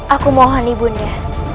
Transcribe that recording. aku mohon ibu undah